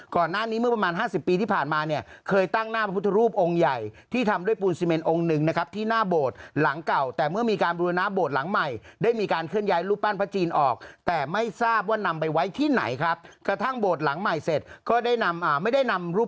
ก่อนหน้านี้เมื่อประมาณห้าสิบปีที่ผ่านมาเนี่ยเคยตั้งหน้าพระพุทธรูปองค์ใหญ่ที่ทำด้วยปูนซีเมนองค์หนึ่งนะครับที่หน้าโบสถ์หลังเก่าแต่เมื่อมีการบูรณาโบสถ์หลังใหม่ได้มีการเคลื่อนย้ายรูปปั้นพระจีนออกแต่ไม่ทราบว่านำไปไว้ที่ไหนครับกระทั่งโบสถ์หลังใหม่เสร็จก็ได้นำอ่าไม่ได้นำรูป